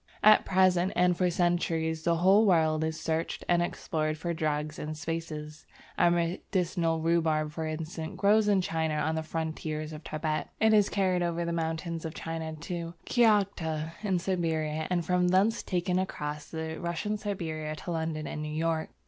At present, and for centuries past, the whole world is searched and explored for drugs and spices. Our medicinal rhubarb for instance, grows in China on the frontiers of Tibet; it is carried over the mountains of China to Kiaghta in Siberia, and from thence taken right across Russian Siberia to London and New York.